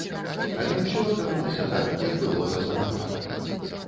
Але ўсё атрымалася так, як было запланавана.